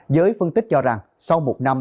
giới phân tích cho rằng sau một năm